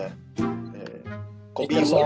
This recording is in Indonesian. kayak kobe white juga bagus